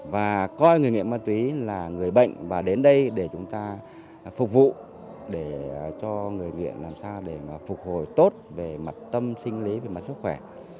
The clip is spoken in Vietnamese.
và coi người nghiện ma túy là người bệnh và đến đây để chúng ta phục vụ để cho người nghiện làm sao để phục hồi tốt về mặt tâm sinh lý về mặt sức khỏe